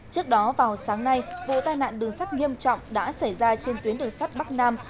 trước đó vào sáng nay vụ tai nạn đường sắt nghiêm trọng đã xảy ra trên tuyến đường sắt bắc nam